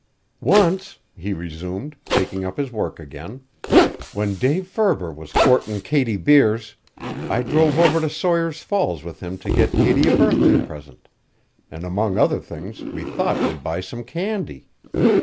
"Once," he resumed, taking up his work again, "when Dave Furber was courtin' Katie Bearse, I drove over to Sawyer's Falls with him to get Katie a birthday present an' among other things we thought we'd buy some candy.